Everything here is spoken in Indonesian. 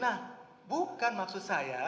nah bukan maksud saya